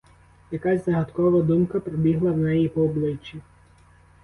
Якась загадкова думка пробігла в неї по обличчі.